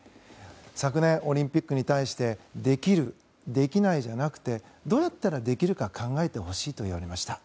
昨年、オリンピックに対してできるできないじゃなくてどうやったらできるか考えてほしいと言われました。